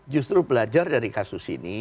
justru belajar dari kasus ini